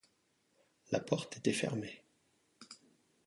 La porte était fermée.